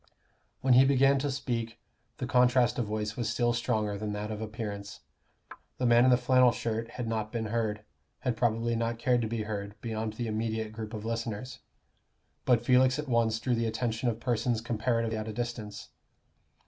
When he began to speak, the contrast of voice was still stronger than that of appearance. The man in the flannel shirt had not been heard had probably not cared to be heard beyond the immediate group of listeners. But Felix at once drew the attention of persons comparatively at a distance.